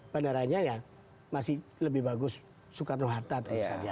bandaranya ya masih lebih bagus soekarno hartad